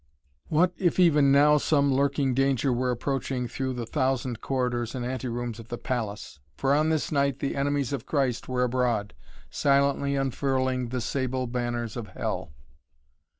What, if even now some lurking danger were approaching through the thousand corridors and anterooms of the palace! For on this night the enemies of Christ were abroad, silently unfurling the sable banners of Hell.